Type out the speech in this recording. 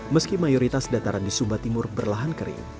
meski mayoritas dataran di sumba timur berlahan kering